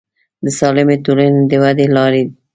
د سالمې ټولنې د ودې لارې